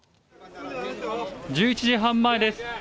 １１時半前です。